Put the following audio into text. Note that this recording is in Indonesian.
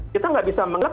kita nggak bisa mengelak